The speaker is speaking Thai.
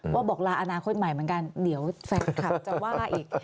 บอกลาอนาคตใหม่เหมือนกันเดี๋ยวแฟนคลับจะว่าอีก